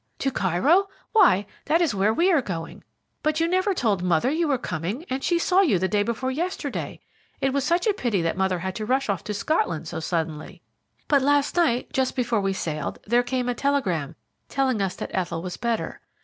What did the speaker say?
"To Cairo? Why, that is where we are going; but you never told mother you were coming, and she saw you the day before yesterday. It was such a pity that mother had to rush off to Scotland so suddenly; but last night, just before we sailed, there came a telegram telling us that Ethel was better.